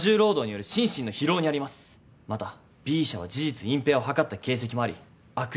またＢ社は事実隠蔽を図った形跡もあり悪質さも認められます。